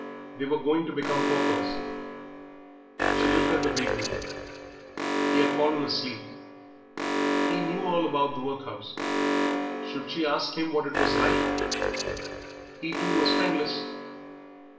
They were going to become paupers. She looked at the vagrant he had fallen asleep. He knew all about the workhouse should she ask him what it was like? He, too, was friendless.